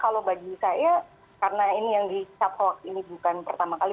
kalau bagi saya karena ini yang dicap hoax ini bukan pertama kali